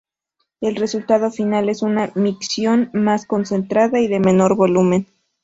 El resultado final es una micción más concentrada y de menor volumen.